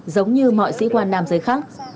giống như mọi sĩ quan nam giới khác